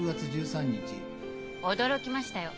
驚きましたよ